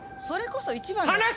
それこそ一番の。